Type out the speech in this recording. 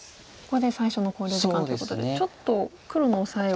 ここで最初の考慮時間ということでちょっと黒のオサエ